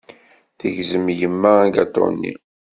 Tegzem yemma agaṭu-nni.